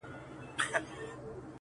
او فاریو کې ګرځیده